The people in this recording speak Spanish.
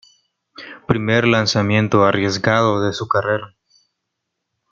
Primer lanzamiento arriesgado de su carrera.